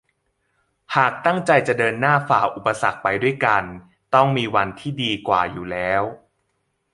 หากตั้งใจจะเดินหน้าฝ่าอุปสรรคไปด้วยกันต้องมีวันที่ดีกว่าอยู่แล้ว